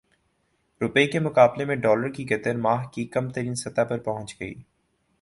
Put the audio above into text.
روپے کے مقابلے میں ڈالر کی قدر ماہ کی کم ترین سطح پر پہنچ گئی